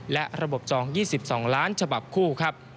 และระบบจอง๒๒ล้านฉบับคู่ครับ